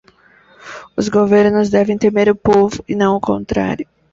Os governos devem temer o povo, e não o contrário